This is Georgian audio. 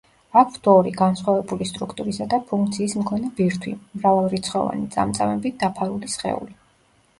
აქვთ ორი, განსხვავებული სტრუქტურისა და ფუნქციის მქონე ბირთვი, მრავალრიცხოვანი წამწამებით დაფარული სხეული.